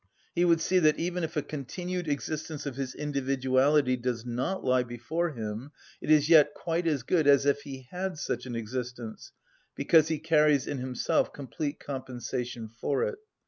He would see that even if a continued existence of his individuality does not lie before him, it is yet quite as good as if he had such an existence, because he carries in himself complete compensation for it.